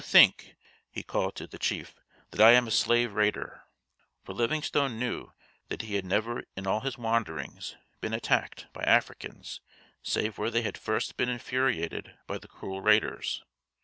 "You think," he called to the chief, "that I am a slave raider." For Livingstone knew that he had never in all his wanderings been attacked by Africans save where they had first been infuriated by the cruel raiders.